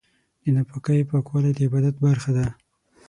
د ناپاکۍ پاکوالی د عبادت برخه ده.